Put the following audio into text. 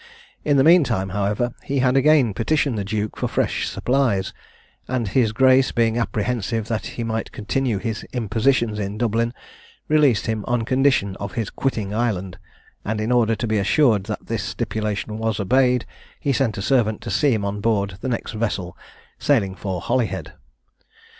In the meantime, however, he had again petitioned the Duke for fresh supplies, and his Grace, being apprehensive that he might continue his impositions in Dublin, released him on condition of his quitting Ireland; and in order to be assured that this stipulation was obeyed, he sent a servant to see him on board the next vessel sailing for Holyhead.